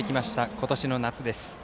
今年の夏です。